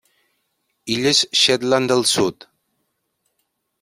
Illes Shetland del Sud.